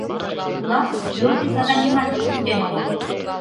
Кулак твёрдый заданийымат шуктен огыл.